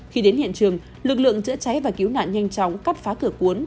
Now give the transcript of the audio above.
khi đến hiện trường lực lượng chữa cháy và cứu nạn nhanh chóng cắt phá cửa cuốn